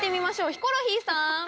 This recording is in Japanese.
ヒコロヒーさん。